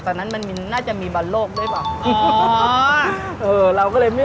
ตอนนั้นมันน่าจะมีบันโลกด้วยป่ะอ๋อเออเราก็เลยไม่ได้